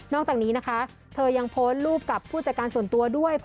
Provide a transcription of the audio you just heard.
อกจากนี้นะคะเธอยังโพสต์รูปกับผู้จัดการส่วนตัวด้วย